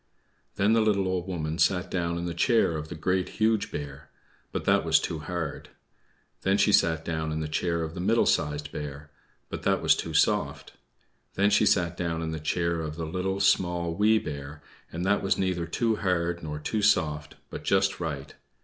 Then the little Old Woman sat down in the chair of the Great, Huge Bear, but that was too hard. Then she sat down in the chair of the Middle Sized Bear, but that was too soft. Then she sat down in the chair of the Little, Small, Wee Bear, and that was neither too hard nor too soft, but just right.